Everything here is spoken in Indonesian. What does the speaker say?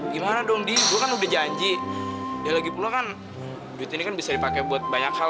gimana dong di bukan udah janji ya lagi pulang kan duit ini kan bisa dipakai buat banyak hal